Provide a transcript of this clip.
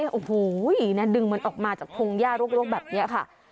โอ้โหดึงมันออกมาจากพงหญ้ารกแบบนี้ค่ะ